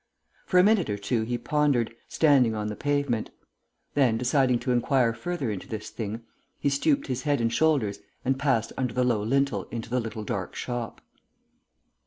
For a minute or two he pondered, standing on the pavement. Then, deciding to inquire further into this thing, he stooped his head and shoulders and passed under the low lintel into the little dark shop.